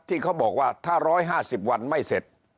ที่เขาบอกว่าถ้า๑๕๐วันไม่เสร็จ